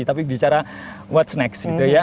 tapi bicara what's next gitu ya